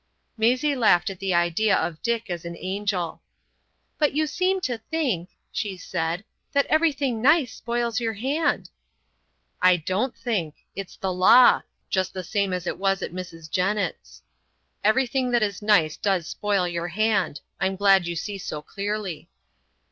Maisie laughed at the idea of Dick as an angel. "But you seem to think," she said, "that everything nice spoils your hand." "I don't think. It's the law,—just the same as it was at Mrs. Jennett's. Everything that is nice does spoil your hand. I'm glad you see so clearly."